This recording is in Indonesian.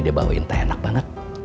dia bawain teh enak banget